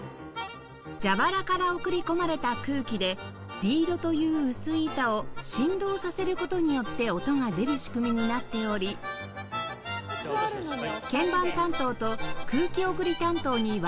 蛇腹から送り込まれた空気でリードという薄い板を振動させる事によって音が出る仕組みになっており鍵盤担当と空気送り担当に分かれて演奏します